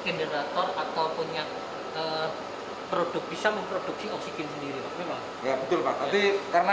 generator atau punya produk bisa memproduksi oksigen sendiri memang ya betul pak tapi karena